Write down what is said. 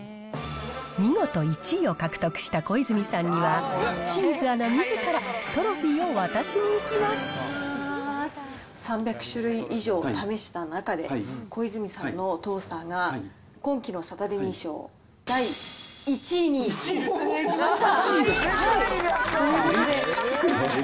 見事１位を獲得したコイズミさんには、清水アナみずからトロ３００種類以上試した中で、コイズミさんのトースターが、今期のサタデミー賞第１位に輝きました。